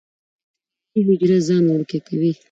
باکټریايي حجره ځان وړوکی کوي.